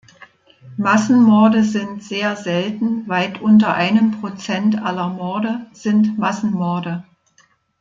Massenmorde sind sehr selten, weit unter einem Prozent aller Morde sind Massenmorde.